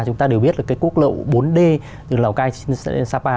chúng ta đều biết là cái quốc lộ bốn d từ lào cai lên sapa